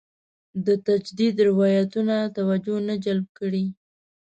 د تجدید روایتونه توجه نه جلب کړې.